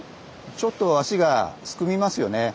ちょっと足がすくみますよね。